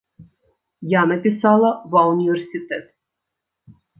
Я напісала ва ўніверсітэт.